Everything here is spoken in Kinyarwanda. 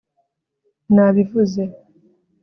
nabivuze